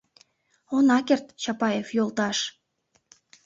— Она керт, Чапаев йолташ...